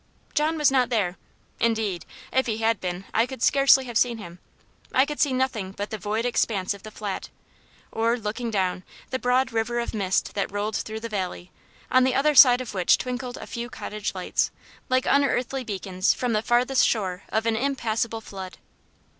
John was not there; indeed, if he had been I could scarcely have seen him; I could see nothing but the void expanse of the Flat, or, looking down, the broad river of mist that rolled through the valley, on the other side of which twinkled a few cottage lights, like unearthly beacons from the farthest shore of an impassable flood.